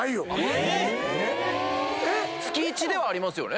月１ではありますよね？